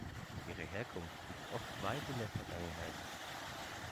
Ihre Herkunft liegt oft weit in der Vergangenheit.